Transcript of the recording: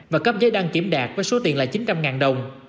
và cấp giấy đăng kiểm đạt với số tiền là chín trăm linh đồng